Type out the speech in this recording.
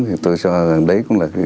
thì tôi cho rằng đấy cũng là